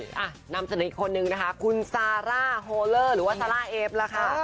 นำมาจากอีกคนหนึ่งค่ะคุณซาร่าโฮลเลอร์หรือว่าซาร่าเอปล่ะค่ะ